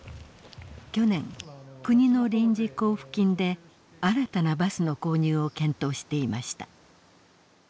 去年国の臨時交付金で新たなバスの購入を検討していました。